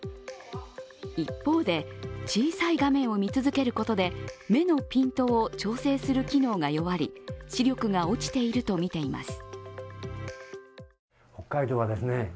一方で、小さい画面を見続けることで目のピントを調整する機能が弱り視力が落ちているとみています。